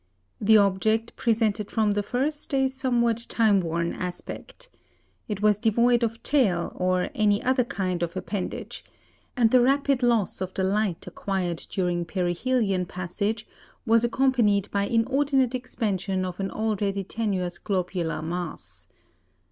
The object presented from the first a somewhat time worn aspect. It was devoid of tail, or any other kind of appendage; and the rapid loss of the light acquired during perihelion passage was accompanied by inordinate expansion of an already tenuous globular mass.